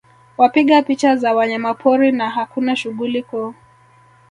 Wapiga picha za wanyamapori na hakuna shughuli kuu